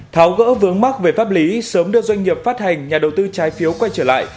tháo gỡ vướng mắc về pháp lý sớm đưa doanh nghiệp phát hành nhà đầu tư trái phiếu quay trở lại